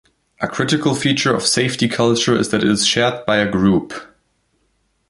A critical feature of safety culture is that it is shared by a group.